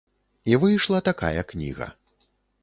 І выйшла такая кніга.